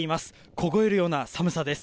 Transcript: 凍えるような寒さです。